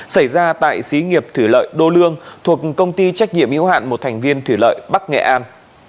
xảy ra tại xí nghiệp thủy lợi đô lương thuộc công ty trách nhiệm yếu hạn một thành viên thủy lợi bắc nghệ an